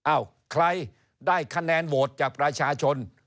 ใครได้คะแนนโหวตจากประชาชน